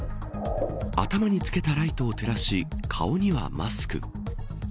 頭につけたライトを照らし顔にはマスク。